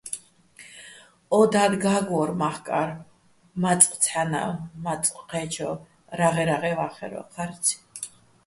ო დად გა́გვო́რ მახკარვ, მაწყ ცჰ̦ანავ, მაწყ ჴე́ჩოვ, რაღე-რაღე ვა́ხერ ო́ჴარციჼ.